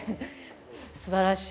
すばらしい。